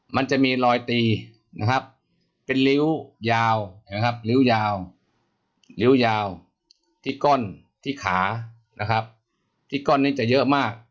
มันจะมีรอยตีนะครับเป็นริ้วยาวนะครับริ้วยาวริ้วยาวที่ก้อนที่ขานะครับที่ก้อนนี้จะเยอะมาก